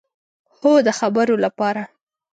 هو، د خبرو لپاره